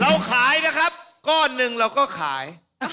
เราขายนะครับก้อนหนึ่งเราก็ขาย